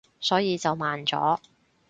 所以就慢咗